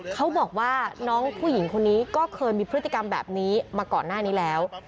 เขาบอกว่าน้องผู้หญิงคนนี้ก็เคยมีพฤติกรรมแบบนี้มาก่อนหน้านี้แล้ว